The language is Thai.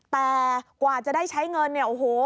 แต่กว่าจะได้ใช้เงินเนี่ยโอ้โห